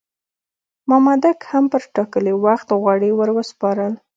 مامدک هم پر ټاکلي وخت غوړي ور وسپارل.